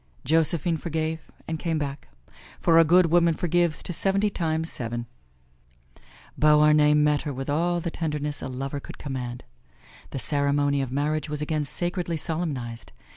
Josephine forgave and came back; for a good woman forgives to seventy times seven. Beauharnais met her with all the tenderness a lover could command. The ceremony of marriage was again sacredly solemnized.